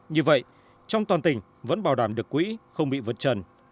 như vậy trong toàn tỉnh vẫn bảo đảm được quỹ không bị vượt trần